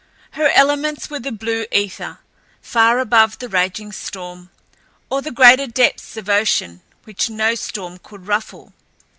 Her elements were the blue ether, far above the raging storm, or the greater depths of ocean, which no storm could ruffle.